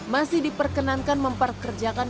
masih diperkenankan memperkerjakan